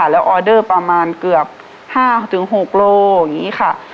แล้วออเดอร์ประมาณเกือบ๕๖โลอย่างนี้ค่ะ